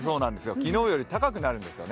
昨日より高くなるんですよね。